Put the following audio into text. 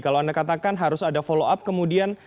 kalau anda katakan harus ada follow up kemudian